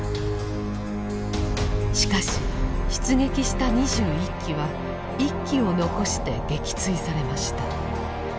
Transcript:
しかし出撃した２１機は１機を残して撃墜されました。